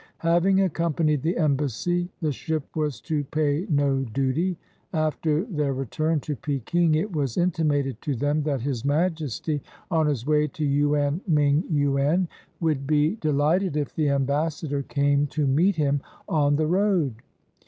Having accompanied the embassy, the ship was to pay no duty. After their return to Peking, it was intimated to them that His Majesty, on his way to Yuen ming yuen, would be de Hghted if the ambassador came to meet him on the road.